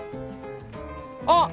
あっ！